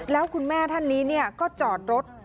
แล้วคุณแม่ท่านนี้ก็จอดรถ